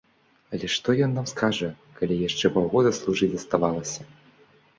Але што ён нам скажа, калі яшчэ паўгода служыць заставалася.